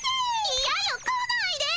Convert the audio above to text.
いやよ来ないで。